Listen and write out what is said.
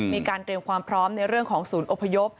มีการเตรียมความพร้อมในเรื่องของศูนย์อพยพ